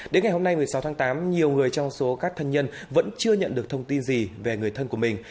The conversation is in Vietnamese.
đến ngày hôm nay một mươi sáu tháng tám nhiều người trong số các thân nhân vẫn chưa nhận được thông tin gì về người thân của mình